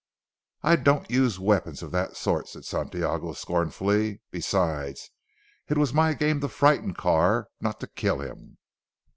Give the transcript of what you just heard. "I don't use weapons of that sort," said Santiago scornfully, "besides it was my game to frighten Carr, not to kill him."